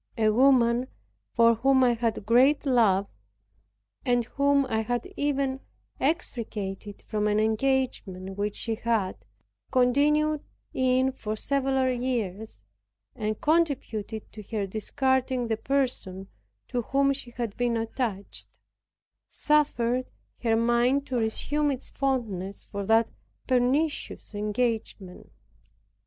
A woman for whom I had great love, and whom I had even extricated from an engagement which she had continued in for several years, and contributed to her discarding the person to whom she had been attached, suffered her mind to resume its fondness for that pernicious engagement.